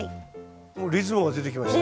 おっリズムが出てきました。